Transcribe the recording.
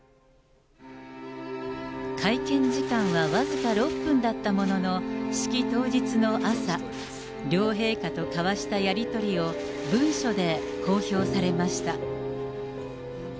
会見時間は僅か６分だったものの、式当日の朝、両陛下と交わしたやり取りを文書で公表されました。